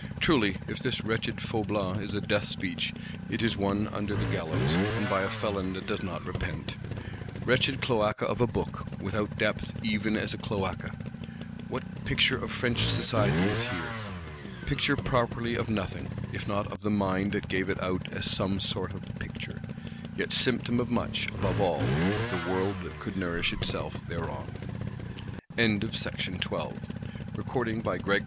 Truly, if this wretched Faublas is a death speech, it is one under the gallows, and by a felon that does not repent. Wretched cloaca of a Book; without depth even as a cloaca! What "picture of French society" is here? Picture properly of nothing, if not of the mind that gave it out as some sort of picture. Yet symptom of much; above all, of the world that could nourish itself thereon. BOOK 1.III. THE PARLEMENT OF PARIS Chapter 1.